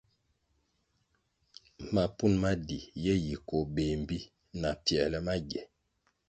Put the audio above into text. Mapun ma di yi koh béh mbpi na pfięrle magie.